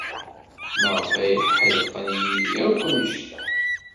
Maɣef ay ḥedqen yid-i akk anect-a?